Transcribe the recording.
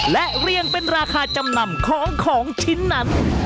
และเรียงเป็นราคาจำนำของของชิ้นนั้น